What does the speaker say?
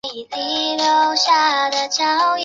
初级教育应属义务性质。